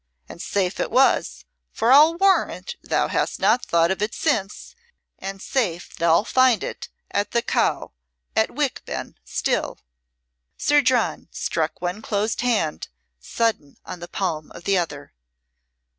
And safe it was, for I'll warrant thou hast not thought of it since, and safe thou'lt find it at the Cow at Wickben still." Sir John struck one closed hand sudden on the palm of the other.